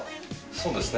そうですね。